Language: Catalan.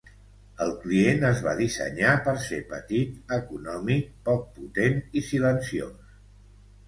El client es va dissenyar per ser petit, econòmic, poc potent i silenciós.